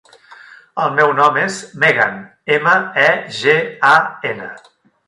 El meu nom és Megan: ema, e, ge, a, ena.